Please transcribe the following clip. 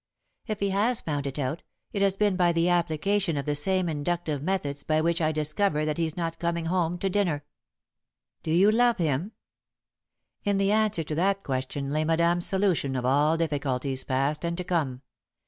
If he has found it out, it has been by the application of the same inductive methods by which I discover that he's not coming home to dinner." [Sidenote: Do You Love Him?] "Do you love him?" In the answer to that question lay Madame's solution of all difficulties, past and to come.